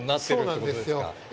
そうなんですよ。